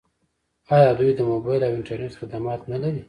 آیا دوی د موبایل او انټرنیټ خدمات نلري؟